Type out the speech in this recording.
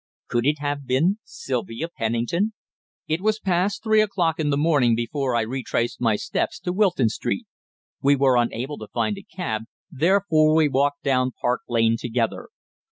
Could it have been Sylvia Pennington? It was past three o'clock in the morning before I retraced my steps to Wilton Street. We were unable to find a cab, therefore we walked down Park Lane together.